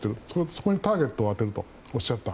そこにターゲットを当てるとおっしゃった。